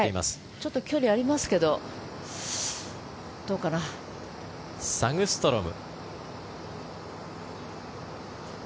ちょっと距離はありますけどサグストロム。